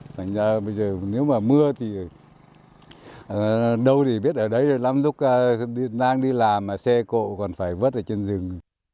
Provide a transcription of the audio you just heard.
thành ra bây giờ nếu mà mưa thì đâu thì biết ở đấy lắm lúc đang đi làm mà xe cộ còn phải vớt ở trên rừng